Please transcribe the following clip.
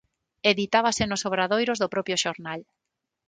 Editábase nos obradoiros do propio xornal.